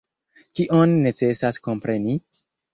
Kion necesas kompreni?